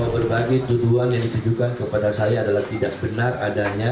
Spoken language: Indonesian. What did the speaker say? berbagai tuduhan yang ditujukan kepada saya adalah tidak benar adanya